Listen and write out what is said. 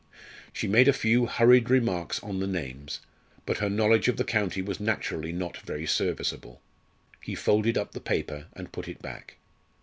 She made a few hurried remarks on the names, but her knowledge of the county was naturally not very serviceable. He folded up the paper and put it back.